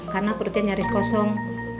karena perutnya nyaris kosong